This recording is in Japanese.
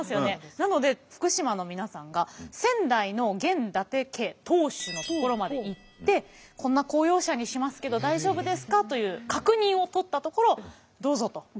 なので福島の皆さんが仙台の現伊達家当主のところまで行って「こんな公用車にしますけど大丈夫ですか？」という確認を取ったところどうぞと。